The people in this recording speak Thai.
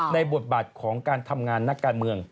บทบาทของการทำงานนักการเมือง